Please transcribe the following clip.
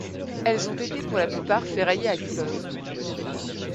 Elles ont été pour la plupart ferraillées à Culoz.